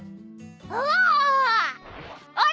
お！